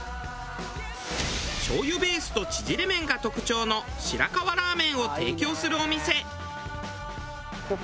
醤油ベースと縮れ麺が特徴の白河ラーメンを提供するお店。